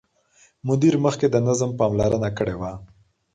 مدیر مخکې د نظم پاملرنه کړې وه.